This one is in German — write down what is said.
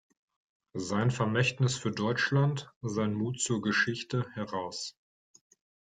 Sein Vermächtnis für Deutschland, sein Mut zur Geschichte" heraus.